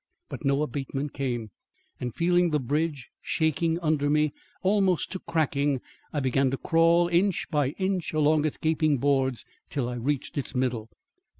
But no abatement came, and feeling the bridge shaking under me almost to cracking, I began to crawl, inch by inch, along its gaping boards till I reached its middle.